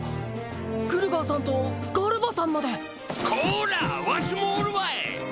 グルガーさんとガルバさんまでこらわしもおるわい！